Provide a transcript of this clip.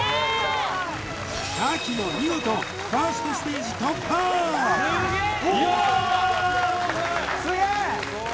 瀧野見事ファーストステージ突破すげー！